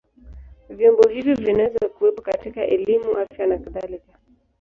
Vyombo hivyo vinaweza kuwepo katika elimu, afya na kadhalika.